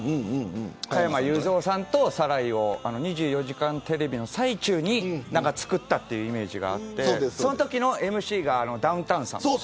加山雄三さんとサライを２４時間テレビの最中に作ったというイメージがあってそのときのＭＣがダウンタウンさん。